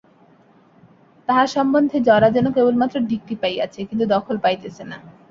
তাঁহার সম্বন্ধে জরা যেন কেবলমাত্র ডিক্রি পাইয়াছে, কিন্তু দখল পাইতেছে না।